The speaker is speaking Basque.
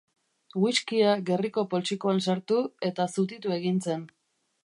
Whiskia gerriko poltsikoan sartu, eta zutitu egin zen.